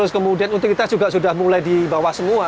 kemudian utilitas juga sudah mulai di bawah semua